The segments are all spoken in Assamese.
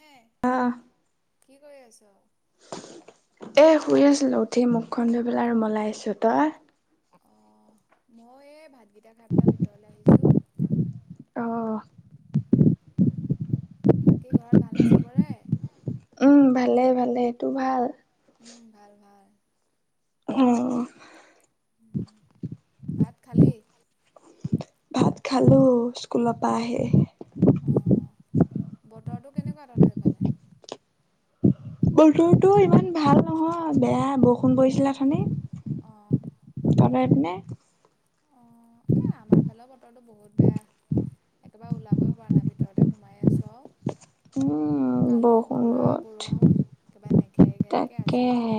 হে আঁহ্‌ কি কৰি আছ? এ শুই আছিলো উঠি মুখখন ধৈ পেলাই ৰুমলৈ আহিছোঁ। তই? অ মই এই ভাতকেইটা খাই পেলাই ভিতৰলে আহিছো অঁ বাকী ঘৰত ভালনে চবৰে। মানে এইটো ভাল। উম ভাল ভাল অ ভাত খালি ভাত খালো স্কুলৰ পৰা আহি। অঁ বতৰটো কেনেকুৱা তহতৰ সেইফালে? বতৰটো ইমান ভাল নহয় বেয়া বৰষুণ পৰিছিলে উঠনি। অ নে এ আমাৰ ফালৰ বতৰটো বহুত বেয়া। একেবাৰে ওলাবই পৰা নাই ভিতৰতে সোমাই আছো আৰু। উম কালিও বৰষুণ পুৰা ৰ'দ বৰষুণ একেবাৰে মেঘেৰ ঘেৰেকে আজিও তাকেহে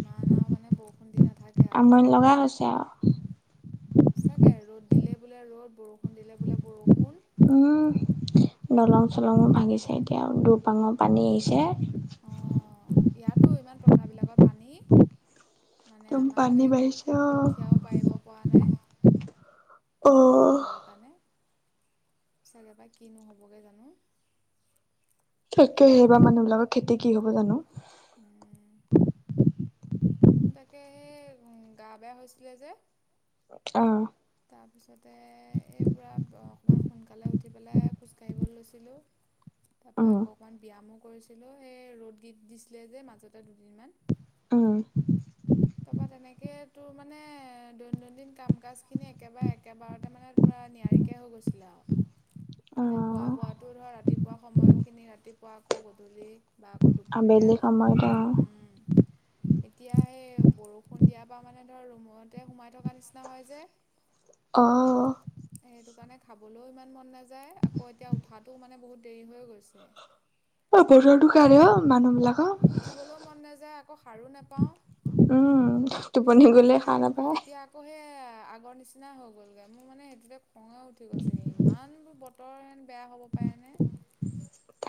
ইমান আৰু মানে বৰষুণ দি নাথাকে আমনি লগা হৈছে আৰু আৰু চাগে ৰ'দ দিলে বোলে ৰ'দ বৰষুণ দিলে বোলে বৰষুণ। উম দলং চলং ভাঙিছে এতিয়া দুপাঙৰ পানী আহিছে অ ইয়াতো ইমান পথাৰ বিলাকত পানী। মানে একদম আমাৰ পানী সেই বাঢ়িছে অ কঠীয়াও পাৰিব পৰা নাই। অ পানী দি ঘৰ কাৰণে। চাগে বা ক নোহ'বগৈ জানো। একে সেইব মানুহবিলাকৰ খেতি কি হব জানো। উ। তাকে সেই গা বেয়া হৈছিলে যে। আহ। তাৰপিছতে এই পূৰা অকণমান সোনকালে উঠি পেলাই খোজকাঢ়িবলৈ লৈছিলোঁ তাৰপৰা উম অকৌ অকণমান ব্যায়ামো। কৰিছিলো সেই ৰ'দ দি দিছিলে যে মাজতে দুদিনমান। আহ টো মানে। দৈনন্দিন কাম কাজ খিনি একেবাৰে একেবাৰতে মানে পুৰা নিয়াৰিকৈ হৈ গৈছিলে আৰু মানে খোৱা অহ বোৱাটো ধৰ ৰাতিপুৱা সময়খিনি ৰাতিপুৱা আকৌ গধূলি বা আকৌ দুপৰীয়া, আবেলি সময়ত উম্। এতিয়া সেই বৰষুণ দিয়াৰ পৰা মানে ধৰ ৰুমতে সোমাই থকা নিচিনা হয় যে। আহঁ। সেইটো কাৰণে খাবলৈও ইমান মন নাযায় আকৌ এতিয়া উঠাটো মানে বহুত দেৰি হৈ গৈছে। অ বতৰটো কাৰণে অ মানুহ বিলাকৰ [inaudible] উঠিবলৈও মন নাযায় আক। সাৰো নাপাওঁ। উম টোপনি সেইটো গলে কাৰণে হা নাপায়। এতিয়া আকৌ সেই আগৰ নিচিনা হৈ গ'লগে মোৰ মানে সেইটোতে খঙে উঠি গৈছেগে ইমান বোৰ বৰ বেয়া হ'ব পাৰে নে?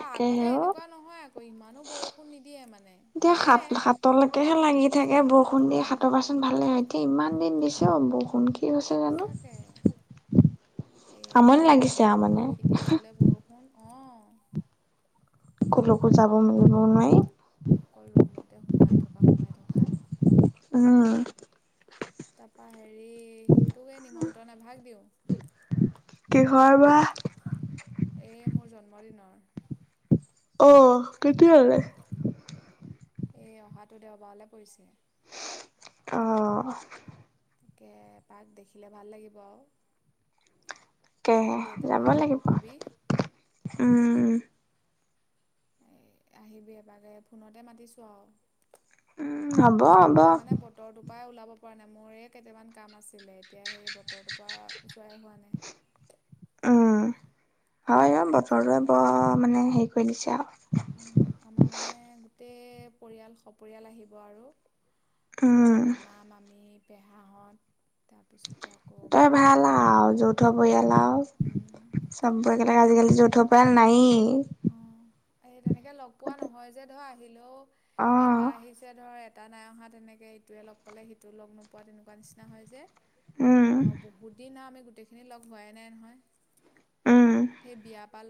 অ আগতে অ এনেকুৱা নহয় আকৌ ইমানো বৰষুণ নিদিয়ে মানে। দিয়ে সেইটো হে লাগি থাকে। ফোন দি উম সাতপাচনো ভালে, কিমান দিন দিছে অ বৰষূণ। চাকে, এ আমনি এদিন বোলে লাগিছে আৰু মানে বৰষুণ সিদিন বোলে বৰষুণ অ' কলৈকো যাব নিবও নোৱাৰি। [unintelligible] অকল ৰুমতে সোমাই থকা, সোমাই থকা, উম তাৰাপা হেৰি, তোকে নিমন্ত্ৰণে ভাগ দিওঁ। [unintelligible] কিহৰ বা? এয়ে মোৰ জন্মদিনৰ। অ কেতিয়ালে? এ অহাটো দেওবাৰলৈ পৰিছে। আহ গতিকে তাক দেখিলে ভাল লাগিব আও। তাকেহে যাব লাগিব, উম এ আহিবি এবাৰ ফোনতে মাতিছো আও। উম হ'ব এ হ'ব যাবলে মানে বতৰটোৰ পৰাই ওলাব পৰা নাই মোৰে কেইটামান কাম আছিলে, এতিয়া সেই বতৰ টো পা যোৱাই হোৱা নাই। উম হয় অ বতৰটোৱে তাৰপিছতে বৰ মানে হেৰি কৰি দিছে আও। উম আমাৰ মানে গোটেই পৰিয়াল সপৰিয়াল আহিব আৰু উম মামা, মামী, পেহা হঁত। তাৰপিছতে আকৌ তই ভাল বৰমাহত আহিব, আৰু যৌথ পৰিয়াল উম তাৰপিছত মানে মাইন যুথপৰা নাই [unintelligible] অঁ এই তেনেকে লগ পোৱা নহয় যে ধৰ আহিলেও অ এটা আহিছে ধৰ নাই অহা তেনেকৈ ইটোৱে লগ পালে সিটো লগ নোপোৱা তেনেকুৱা নিচিনা হয় যে। উম আৰু বহুত দিন আহ আমি গোটেইখিনি লগ হোৱাই নাই নহয়। উম সেই বিয়া পা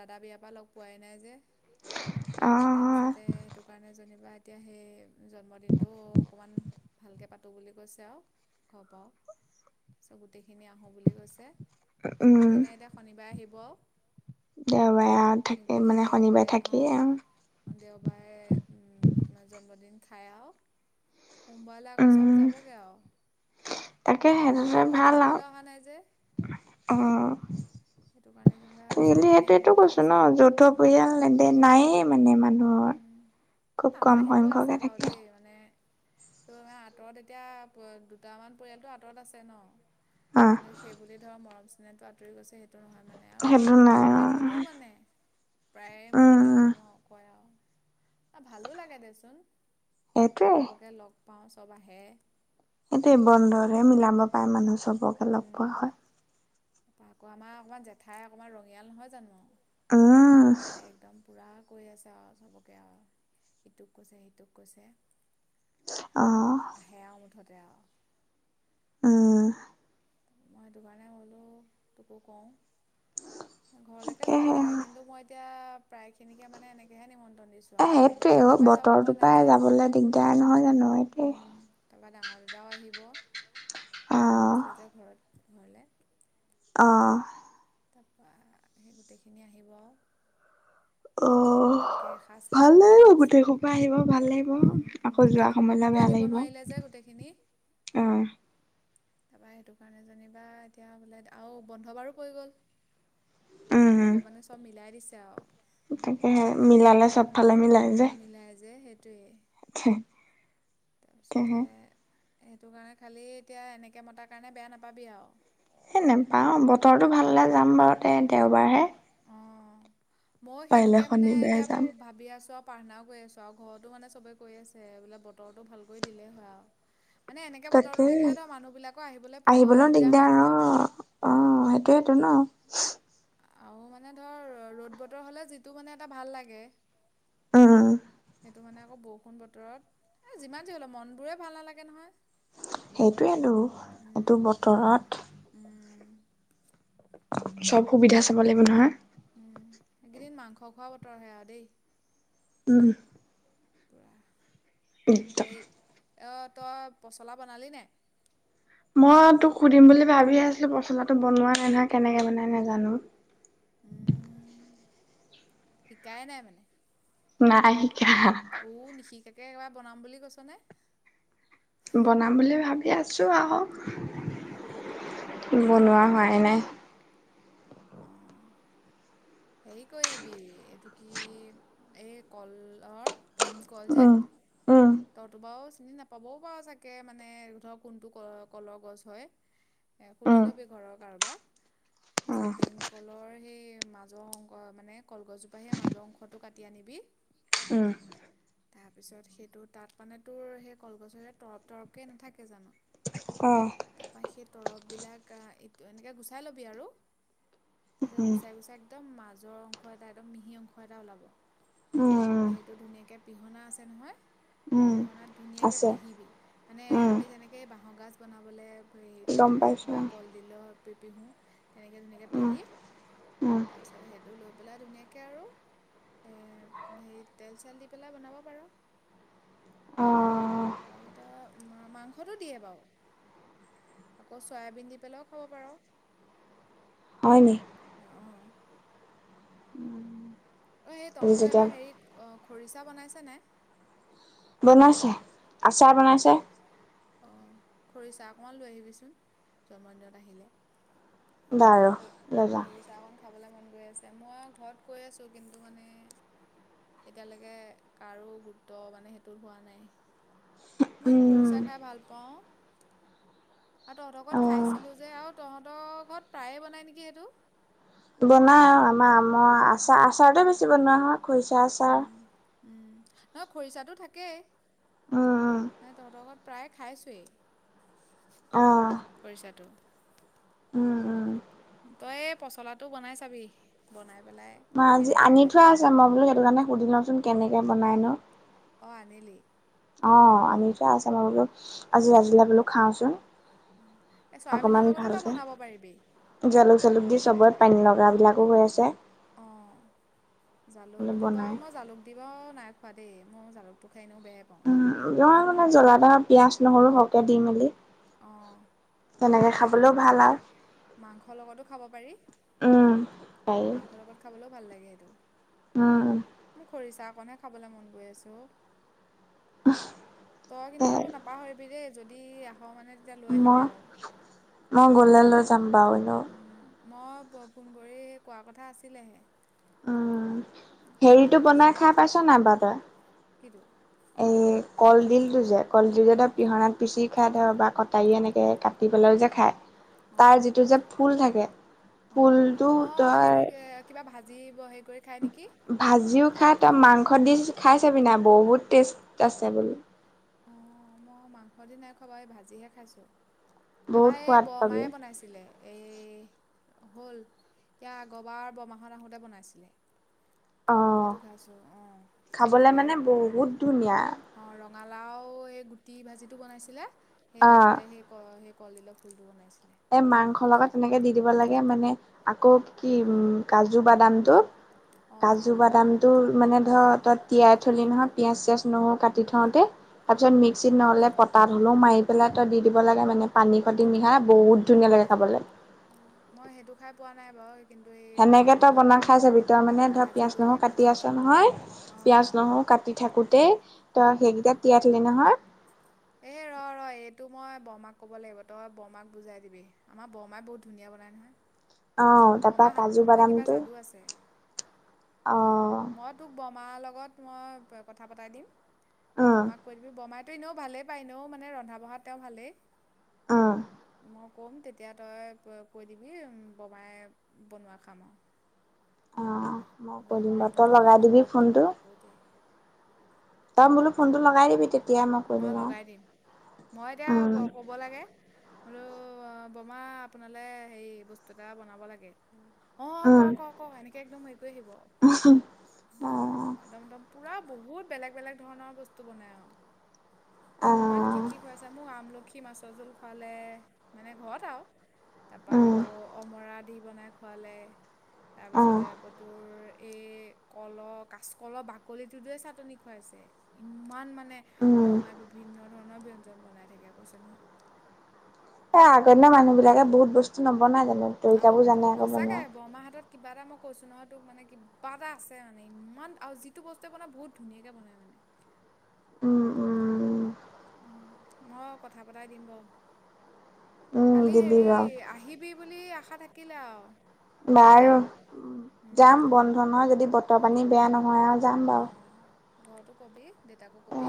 দাদা বিয়া পা লগ পোৱাই নাই যে। অ হয় তাৰপিছতে সেইটো কাৰণে যেনিবা এতিয়া সেই জন্মদিনটো অকণমান ভালকৈ পাতোঁ বুলি কৈছে আও। অ ঘ গোটেইখিনি আহোঁ বুলি কৈছে। উম চবে মানে এতিয়া শনিবাৰে আহিব। দেওবাৰে থাকে শনিবাৰে আহি মানে দেওবাৰে শনিবাৰে থাকে। অঁ দেওবাৰে জন্মদিন খায় আও সোমবাৰলৈ আকৌ চব উম যাবগে আও। তাকে সেইটোতে ভাল আও, নাই যে অ সেইটো কাৰণে যেনিবা চিৰিএলি চবখিনি আহোঁ সেটটো বুলি কৈছো কৈছে ন, যৌথ আৰু পৰিয়াল নেদে নায়ে মানে ইমান। [unintelligible] অ খুব কম সংখ্যকে থাকে। তাৰ আঁতৰত এতিয়া দুটামান পৰিয়ালটো আঁতৰত আছে ন। অ কিন্তু সেইব ধৰ মৰম চেনেহতটো আতৰি গৈছে সেই [unintelligible] অ হয় মানে আও, সেইটো মানু্হ নাই জনৰ অ উম কথা শুনো মানে, প্ৰায়ে মুখতে উম শুনো আও। ভালো লাগে দেচোন, সেইটোৱে চবকে লগ পাওঁ চব আহে। এইটোৱে বৰ্ধনেৰে মিলাব পায় মানুহ চবকে লগ পোৱা হয়। বৰ্মা আগত জেঠাই অকণমান ৰঙিয়াল নহয় জানো, উম, জেঠাই একদম পুৰা কৈ আছে আৰু চবকে আৰু ইটোক কৈছে সিটোক কৈছে অ', আহেয়া মুঠতে আৰু আহ মই দ কাৰণে হ'লোঁ তোকো কওঁ ঘৰলৈকে যাব তাকেহে। লাগে কিন্তু মই এতিয়া প্ৰায় খিনিকে মানে এনেকেহে নিমন্ত্ৰণ দিছো এ সেইটোৱে বতৰটোৰ পৰাই যাবলৈ দিগদাৰ নহয় উম জানো এইটোৱেই উম তাৰপৰা ডাঙৰ দাদাও আহিব সি অহা অ', নাছিলে যে ঘৰত ঘৰলৈ আহ তাৰপৰা সেই গোটেইখিনি আহিব আৰু হয় অ তাৰপিছত বোলে ভালকৈ এসাঁজ ভাল খাওঁ সেই বুলি লাগিব কৈছে গোটেইখ পৰা আহিব ভাল লাগিব আকৌ যোৱা সময়লৈ বেয়া লাগে বনাব নোৱাৰিলে গুতেই খিনি অ তাৰপা সেইটো কাৰণে যেনিবা এতিয়া বোলে আৰু বন্ধ বাৰো পৰি গ'ল। কিবা উম, ভগৱানে চব মিলাই দিছে আৰু ফালে মিলাই যে। তাকেই তাৰপিছতে তাকেহে, সেইটো কাৰণে খালী এতিয়া এনেকৈ মতাৰ কাৰণে বেয়া নাপাবি আৰু এই নোপাওঁ বতৰটো ভালে যাম বাৰু তে দেওবাৰহে মই পাৰিলে সেইটোকে মানে শনিবাৰে এতিয়া যাম, ভাবি আছোঁ অপ পাৰনাও কৰি আছো আৰু ঘৰতো মানে চবে কৈ আছে বোলে বতৰতটো ভাল কৰি দিলে হয় আৰু এনেকে বতৰো তাকে। থাকিলেই মানুহবিলাক আহিবলৈও দিগদাৰ অ অ সেইটোয়েইেতটো ন আৰু মানে ধৰ ৰ'দ বতৰ হলে যিটো মানে এটা ভাল লাগে উম সেইটো মানে আকৌ বৰষুণ বতৰত এই যিমান যিৰি হ'লেও মনবোৰে ভাল নালাগে নহয় সেইটোৱেইেতো এইটো উম বতৰত- উম চব সুবিধা চাব লাগিব নহয়। উম এইকেইদিন মাংস খোৱা বতৰ হে আৰু দেই উম পোৰা উত এ তই পচলা বনালি নাই মই তোক সুধিম বুলি ভাবি আছিলো পচলাটো বনোৱা নাই নহয় কেনেকে বনাই নাজানো উম শিকাই নাই মানে নাই শিকা উ নিশিকাকে একে বনাম বুলি কৈছ নে। বনাম বুলি ভাবি আছো আহক অ' বনোৱা হোৱাই নাই অ' হেৰি কৰিবি এইটো কি এই কলৰ ভীমকল যে উম উম তইতো বাও চিনি নাপাবও পাৰো চাগে মানে ধৰক কোনটো ক কলৰ গছ হয়। এ উম সুধি লবি ঘৰৰ কাৰোবাক- অ', তাৰপিছত ভীমকলৰ, সেই মাজৰ অংক মানে কলগছজোপা সেই মাজৰ অংশটো কাটি আনিবি উম তাৰপিছত সেইটোত তাত মানে তোৰ সেই কলগছৰে তৰপ তৰপকে নাথাকে জানো অ তাপা সেই তৰপ বিলাক এই এনেকে গুচাই ল'বি আৰু তাৰপিছত উম গুচাই গুচাই একদম মাজৰ অংশ এটা একদম মিহি অংশ এটা ওলাব উম তাৰপৰা সেইটো ধুনীয়াকে পিহনা আছে নহয় উম পিহনাত ধুনীয়াকৈ আছে পিহিবি মানে উম আমি যেনেকে বাঁহৰগাজ বনাবলৈ- গম পিহোঁ পাইছো বা কলডিলৰ, পিহো তেনেকে ধুনীয়াকৈ উম পিহি উম তাৰ পিছত সেইটো লৈ পেলাই ধুনীয়াকে আৰু এ হেৰি তেল ছেল দি পেলাই বনাব পাৰ অ আৰু ত মাংসটো দিয়ে বাৰু আকৌ চয়াবিন দি পেলাইও খাব পাৰ হয় নি অ অ সেই তহঁতৰ যেতিয়া এবাৰ হেৰি খৰিচা বনাইছে নে বনাইছে আচাৰ বনাইছে অ খৰিচা অকণমান লৈ আহিবিচোন জন্মদিনত আহিলে বাৰু লৈ যাম খৰিচা অকন খাবলে মন গৈ আছে মই ঘৰত কৈ আছোঁ কিন্তু মানে এতিয়ালৈকে কাৰো গুৰুত্ব মানে সেইটোত হোৱা ইমান উম খৰিচা খাই ভাল পাওঁ আৰু তহঁত‌ অ ঘৰত খাইছিলো যে আৰু তহঁত ঘৰত প্ৰায়ে বনাই নেকি এইটো বনাই আৰু আমাৰ আম আচাৰ আচাৰটোৱে বেছি বনোৱা হয় খৰিচা আচাৰ উম নহয় খৰিচাটো থাকেই উম উম তহঁতৰ ঘৰত প্ৰায় খাইচোৱেই অ খৰিচাটো উম উম তই এ পচলাটো বনাই চাবি বনাই পেলাই মই আজি কেনেকুৱা আনি হয় থোৱা আছে মই বোলো সেইটো কাৰণে সুধি লওঁচোন কেনেকে বনাই নো অ আনিলি অহ আনি অঁ থোৱা আছে মই বোলো আজি আজিলৈ বোলো খাওঁচোন এ চয়াবিনৰ অকমান লগতো তই ভালকে বনাব পাৰিবি জালুক চালুক দি চবৰে পানী লগা বিলাকো হৈ আছে অঁ বোলো জালুকটো বাৱ বনাই মই জালুক দি বাৱ নাই খোৱা দেই মই জালুকটো খাই এনেও বেয়াই পাওঁ উম নহয় মানে জলা এটা পিয়াজ নহৰু সৰহকে দি মেলি অঁ তেনেকে আৰু মাং খাবলৈও ভাল আৱ মাংসৰ লগতো খাব পাৰি উম মাংসৰ লগত খাবলৈও ভাল লাগে সেইটো অ কন হে খাবলে মন গৈ আছে অ অহ তই কিন্তু নাপাহৰিবি দেই যদি মানে তেতিয়া লৈ আহিবি মই আৰু মই গ'লে লৈ যাম বাৰু এনেও মই ফ ফোন কৰি সেই কোৱা কথা আছিলেহে উম মোলৈ হেৰিটো খৰিচা বনাই খাই পাইছ নাই বাৱ তই কিটো এই কলডিলটো যে কলডিল এটা অঁ পিহনাত পিচি খাই ধৰক বা কটাৰী এনেকে কাটি পেলাইও যে খায় অঁ তাৰ যিটো যে ফুল থাকে ফুলটো তই যি বহ ভাজিও খাই তই মাংসত দি খাই চাবি না বহুত টেষ্ট আছে বোলো ম মই মাংস দি নাই খোৱা বাৱ এই ভাজিহে খাইছো আমাৰ বহুত এই সোৱাদ পাবি বৰমায়ে বনাইছিলে এই হ'ল ইয়া আগৰবাৰ বৰমাহঁত আহোতে বনাইছিলে অ সেইটো খাইছো অ এ খাবলে মানে বহুত ধুনীয়া অ ৰঙালাও সেই গুটি ভাজিটো বনাইছিলে সেই অ লগতে সেই সেই কলডিলৰ ফুলটো বনাইছিলে এ মনত মাংস লগত পৰিছে তেনেকে দি দিব লাগে মানে আকৌ কি অ', উম কাজু বাদামটো কাজু অ', বাদামটো মানে তই তিয়াই থলি নহয় পিয়াঁজ চিয়াঁজ নহৰু কাটি থওঁতে তাপিছত মিক্সিত নহ'লে পতা মাৰি পেলাই তাত দি দিব লাগে মানে পানী খতি মিহলাই বহুত ধুনীয়া লাগে খাবলে মই সেইটো খাই পোৱা নাই বাৰু কিন্তু এই সেনেকে তই কলডিলৰ বনাই ফুল খাই চা ভি তই মানে ধৰ ভাজি পিয়াঁজ নহৰু কৰিহে কাটি খাইছোঁ। আছ নহয় পিয়াঁজ অ', নহৰু কাটি থাকোতেই ত সেইকেইটা তিয়াই থলি নহয় এ ৰ ৰ এইটো মই মই বৰমাক ক'ব লাগিব তই বৰমাক বুজাই দিবি আমাৰ বৰমাই বহুত ধুনীয়া বনাই নহয় অহ তাপা বৰমা কাজু হাতটো মানে কিবা বাদামটো যাদু আছে। অহ মই তোক বমা লগত লগত মই কথা পতাই দিম তই উম বমাক কৈ দিবি বমাই টো এনেও ভালেই পায় এনেও মানে ৰন্ধা বঢ়াত তেওঁ ভালেই। উম ম কম তেতিয়া তই ক কৈ দিবি বমাই বনোৱা খাম আৱ অহ মই অ কৈ দিম বাৰু বৰমাই তই বনোৱা লগাই ৰন্ধাটো হাতন পাকৈতে যাম বোলো ফোনটো লগাই দিবি তেতি মই লগাই দিম মই এতিয়া উম ক ক'ব লাগে। বোলো বৰমা আপোনালৈ হেৰি বস্তু এটা বনাব লাগে। অ ক উম ক ক এনেকে একদম হেৰি কৰি আহিব অ একদম দম পুৰা বহুত বেলেগ বেলেগ ধৰণৰ বস্তু বনাই আৰু অ', কিমান কি কি খুৱাইছা মোক আমলক [unintelligible] খীৰ মাছৰ জোল খুৱালে, এনে ঘৰতে আৰু তাৰপৰা উম আকৌ অমৰা [unintelligible] দি বনাই খোৱালে। অ তাৰপিছতে আকৌ তোৰ এই কলৰ কাঁচকলৰ বাকলিটো দিয়ে চাটনি খুৱাইছে ইমান মানে উম বৰমাই বিভিন্ন ধৰণৰ ব্যয়ঞ্জন বনাই থাকে কৈছে নহয় এ আগৰদিনা মানুহ বিলাকে বহুত বস্তু নবনায় জানো তুমিতো আৰু এইবোৰ ব জানা আকৌ বনোৱা সঁচাকৈ বৰমাৰ হাতত কিবা এটা মই কৈছো নহয় তোক মানে কিবা এটা আছে মানে ইমান আৰু যিটো বস্তুৱে বনাই বহুত ধুনীয়াকে বনাই মানে উম্ [unintelligible] উ উ মইয়ো কথা পতাই দিম বাৰু উম খালি দিবি হেৰি বাৰু আহিবি বুলি আশা থাকিলে আৰু বাৰু, দেই যাম উম, বন্ধ নহয় যদি বতৰ পানী বেয়া নহয় আৰু যাম বাৰু অঁ, ঘৰতো কবি দেউতাকো এ কবি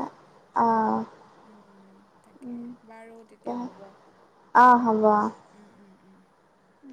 অ উ উ উ তাকে উম, বাৰু তেতিয়া হ'ব। হাল্লা উম, উম, উম। [unintelligible]